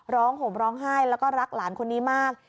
ร้องผมร้องให้และรักหลานคนนี้มาก